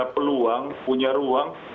peluang punya ruang